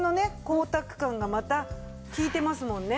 光沢感がまた利いてますもんね。